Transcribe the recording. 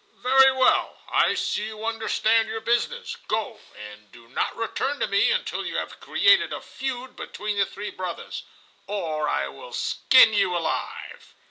"Very well; I see you understand your business. Go, and do not return to me until you have created a feud between the three brothers—or I will skin you alive."